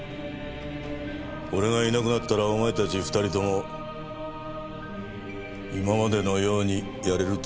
俺がいなくなったらお前たち２人とも今までのようにやれると思うな。